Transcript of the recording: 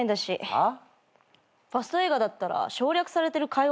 はっ？